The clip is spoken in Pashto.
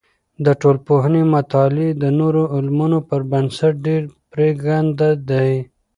د ټولنپوهنې مطالعې د نورو علمونو په نسبت ډیر پریکنده دی.